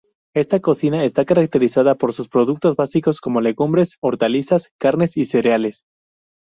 Esta cocina está caracterizada por productos básicos como: legumbres, hortalizas, carnes y cereales.